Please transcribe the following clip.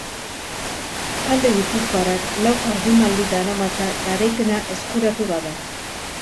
Talde gipuzkoarrak lau jardunaldi daramatza garaipena eskuratu gabe.